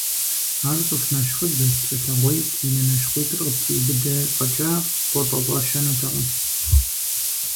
Ар цӀыху нэщхъыдзэт, псэлъэгъуейт, и нэ нащхъуитӀыр къыптриубыдэ фӀэкӀа, къолӀэлӀэщэнутэкъым.